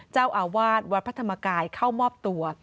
เจ้าอาวาสวัดพระธรรมกายเข้ามอบตัว